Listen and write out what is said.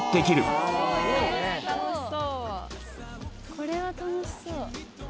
これは楽しそう。